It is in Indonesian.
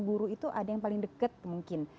guru itu ada yang paling dekat mungkin